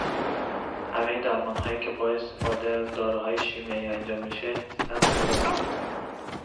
همهِ درمانهایی که با استفاده از داروهای شیمیایی انجام میشه سَقف دارن